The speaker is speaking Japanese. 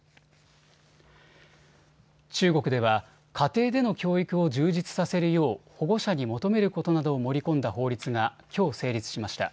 中国では、家庭での教育を充実させるよう保護者に求めることなどを盛り込んだ法律がきょう成立しました。